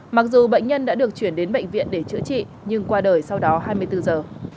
mặc dù bệnh nhân đã được chuyển đến bệnh viện để chữa trị nhưng qua đời sau đó hai mươi bốn giờ